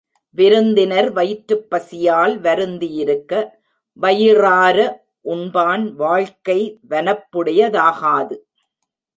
விருந்தினர் வயிற்றுப் பசியால் வருந்தியிருக்க, வயிறார உண்பான் வாழ்க்கை வனப்புடையதாகாது.